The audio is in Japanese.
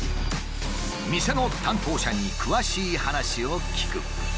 店の担当者に詳しい話を聞く。